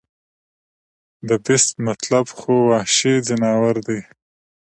د The Beast مطلب خو وحشي ځناور دے